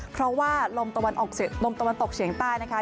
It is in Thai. เพราะว่าลมตะวันออกเฉียลมตะวันตกเฉียงใต้นะคะ